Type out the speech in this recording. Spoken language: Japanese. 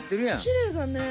きれいだね。